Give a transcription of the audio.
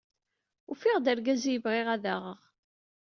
Ufiɣ-d argaz ay bɣiɣ ad aɣeɣ.